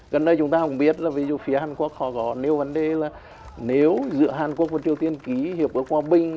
gần đây chúng ta cũng biết là ví dụ phía hàn quốc họ có nêu vấn đề là nếu giữa hàn quốc và triều tiên ký hiệp ước hòa bình